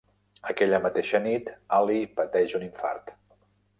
Aquella mateixa nit, Ali pateix un infart.